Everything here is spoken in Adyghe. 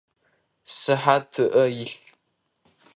Сыхьат ыӏэ илъ.